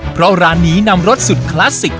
เพราะร้านนี้นำรสสุดคลาสสิก